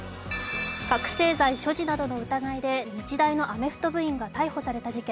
覚醒剤所持などの疑いで日大のアメフト部員が逮捕された事件。